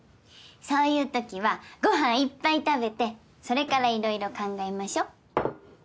そういうときはご飯いっぱい食べてそれから色々考えましょ。